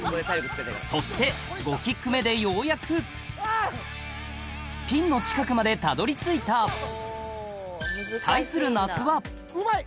そして５キック目でようやくピンの近くまでたどり着いた対する那須はうまい！